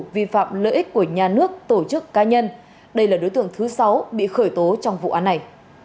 vi phạm lợi ích của nhà nước tổ chức cá nhân đây là đối tượng thứ sáu bị khởi tố trong vụ án này